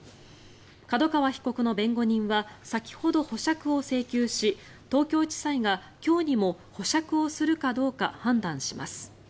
角川被告の弁護人は先ほど保釈を請求し東京地裁が今日にも保釈をするかどうか判断します。